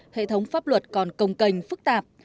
hệ thống pháp luật còn công cành phức tạp